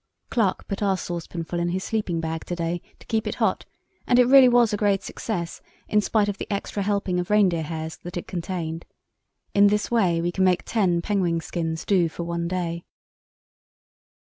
"Clark put our saucepanful in his sleeping bag to day to keep it hot, and it really was a great success in spite of the extra helping of reindeer hairs that it contained. In this way we can make ten penguin skins do for one day."